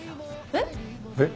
えっ？えっ？